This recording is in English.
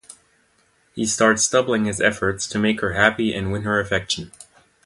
He starts doubling his efforts to make her happy and win her affection.